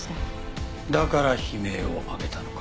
だから悲鳴を上げたのか。